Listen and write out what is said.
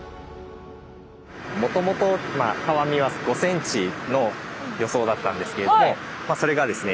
もともとたわみは５ｃｍの予想だったんですけれどもそれがですね